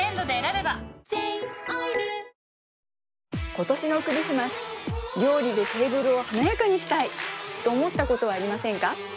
今年のクリスマス料理でテーブルを華やかにしたい！と思ったことはありませんか？